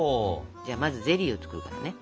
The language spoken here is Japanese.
じゃあまずゼリーを作るからね。